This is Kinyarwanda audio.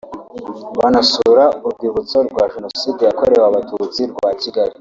banasura urwibutso rwa Jenoside yakorewe Abatutsi rwa Kigali